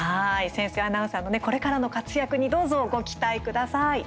潜水アナウンサーのこれからの活躍にどうぞご期待ください。